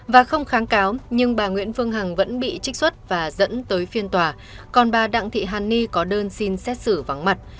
và không kháng cáo nhưng bà nguyễn phương hằng vẫn bị trích xuất và dẫn tới phiên tòa còn bà đặng thị hàn ni có đơn xin xét xử vắng mặt